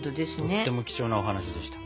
とっても貴重なお話でした。